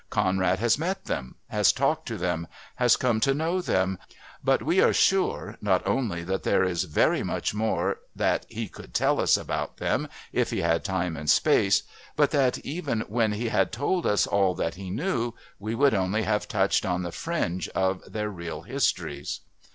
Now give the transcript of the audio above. Conrad has met them, has talked to them, has come to know them, but we are sure not only that there is very much more that he could tell us about them if he had time and space, but that even when he had told us all that he knew he would only have touched on the fringe of their real histories.